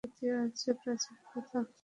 ইহাই ভারতের অতি প্রাচীন কথা।